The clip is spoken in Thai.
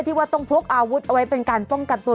ที่ว่าต้องพกอาวุธเอาไว้เป็นการป้องกันตัว